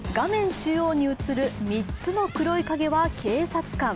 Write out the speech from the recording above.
中央に映る３つの黒い影は警察官。